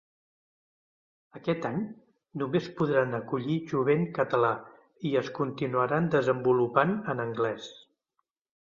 Aquest any només podran acollir jovent català i es continuaran desenvolupant en anglès.